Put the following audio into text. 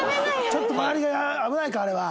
ちょっと周りが危ないかあれは。